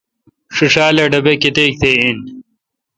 ݭیݭال اے°ا ڈبے°کتیک تہ۔